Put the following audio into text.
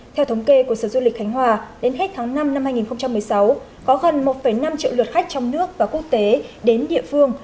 theo thống kê của sở du lịch khánh hòa đến hết tháng năm năm hai nghìn một mươi sáu có gần một năm triệu lượt khách trong nước và quốc tế đến địa phương